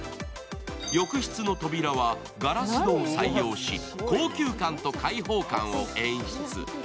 浴室の扉はガラス戸を採用し、高級感と開放感を演出。